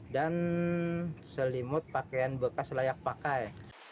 dan selimut pakaian bekas layak pakai